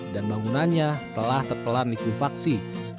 dan bangunannya telah terpelan liku faksi